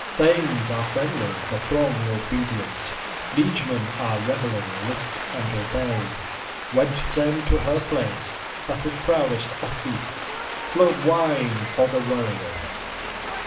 Thanes are friendly, the throng obedient, liegemen are revelling: list and obey!" Went then to her place. That was proudest of feasts; flowed wine for the warriors.